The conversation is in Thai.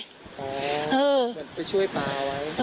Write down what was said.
เหมือนไปช่วยปลาไว้